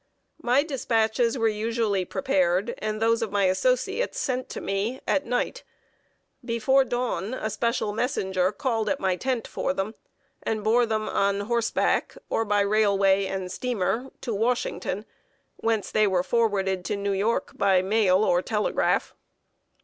My dispatches were usually prepared, and those of my associates sent to me, at night. Before dawn, a special messenger called at my tent for them, and bore them on horseback, or by railway and steamer, to Washington, whence they were forwarded to New York by mail or telegraph.